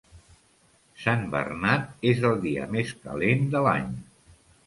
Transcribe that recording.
Sant Bernat és el dia més calent de l'any.